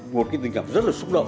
một cái tình cảm rất là xúc động